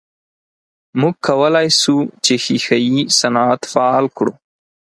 موږ کولای سو چې ښیښه یي صنعت فعال کړو.